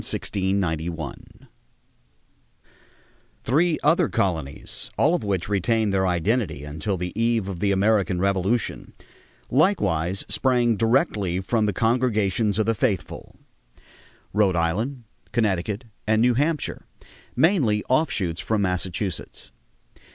[Illustration: THE ORIGINAL GRANTS] Three other colonies, all of which retained their identity until the eve of the American Revolution, likewise sprang directly from the congregations of the faithful: Rhode Island, Connecticut, and New Hampshire, mainly offshoots from Massachusetts.